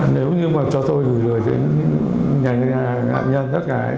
nếu như mà cho tôi gửi lời đến nhà nạn nhân tất cả ấy